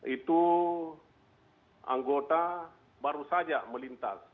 itu anggota baru saja melintas